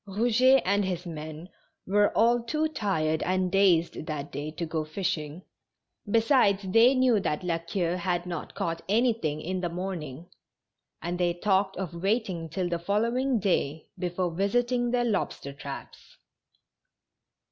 Eouget and his men were all too tired and dazed that day to go fishing, besides they knew that La Queue had not caught any thing in the morning, and they talked of waiting till the following day before visiting their lobster traps.